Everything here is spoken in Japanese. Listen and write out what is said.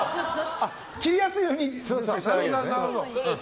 切りやすいようにしただけですね。